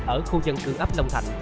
ở khu dân cương ấp long thành